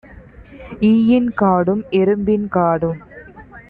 ஈயின் காடும் எறும்பின் காடும்